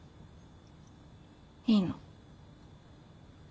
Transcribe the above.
いいの。